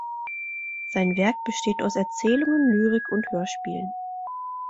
Sein Werk besteht aus Erzählungen, Lyrik und Hörspielen.